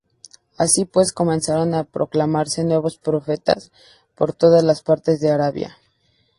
Así pues, comenzaron a proclamarse nuevos profetas por todas las partes de Arabia.